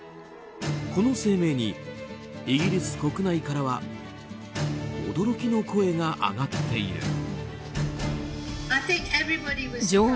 この声明に、イギリス国内からは驚きの声が上がっている。